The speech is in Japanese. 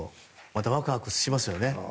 またワクワクしますよね。